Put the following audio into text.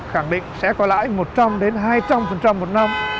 khẳng định sẽ có lãi một trăm linh hai trăm linh một năm